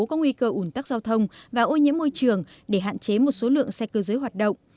có nguy cơ ủn tắc giao thông và ô nhiễm môi trường để hạn chế một số lượng xe cơ giới hoạt động